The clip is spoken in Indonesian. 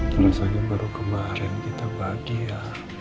terus aja baru kemarin kita bahagia